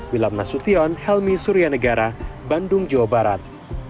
wilham nasution helmi surianegara bandung jawa barat